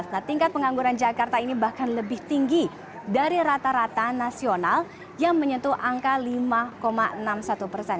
nah tingkat pengangguran jakarta ini bahkan lebih tinggi dari rata rata nasional yang menyentuh angka lima enam puluh satu persen